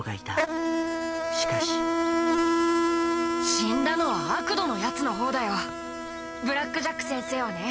「死んだのはアクドのやつのほうだよ。ブラック・ジャック先生はね